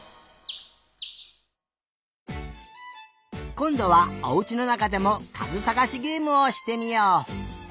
こんどはおうちのなかでもかずさがしゲームをしてみよう！